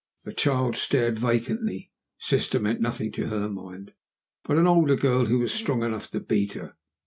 The child stared, vacantly. Sister meant nothing to her mind but an older girl who was strong enough to beat her.